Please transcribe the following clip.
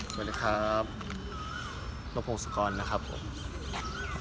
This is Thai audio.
สวัสดีครับนบพงศกรนะครับผม